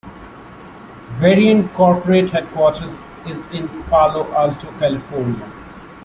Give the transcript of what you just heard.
Varian corporate headquarters is in Palo Alto, California.